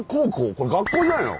これ学校じゃないの？